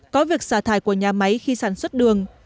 có việc xả thải của nhà máy khi sản xuất đường